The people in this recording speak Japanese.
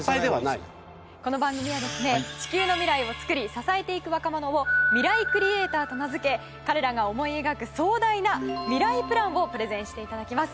この番組はですね地球の未来を作り支えていく若者を「ミライクリエイター」と名付け彼らが思い描く壮大なミライプランをプレゼンして頂きます。